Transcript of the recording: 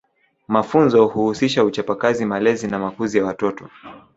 Mafunzo huhusisha uchapa Kazi malezi na makuzi ya watoto